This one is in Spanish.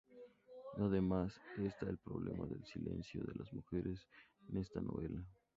Además, está el problema del silencio de las mujeres en esta novela.